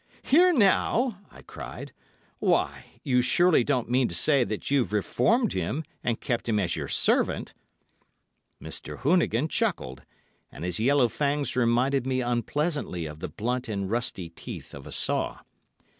'Here now!' I cried. 'Why, you surely don't mean to say that you've reformed him and kept him as your servant?' "Mr. Hoonigan chuckled, and his yellow fangs reminded me unpleasantly of the blunt and rusty teeth of a saw.